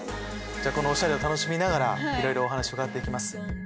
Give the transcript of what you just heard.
このおしゃれを楽しみながらいろいろお話伺って行きます。